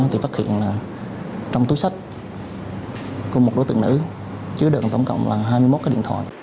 thì phát hiện trong túi sách của một đối tượng nữ chứa được tổng cộng là hai mươi một cái điện thoại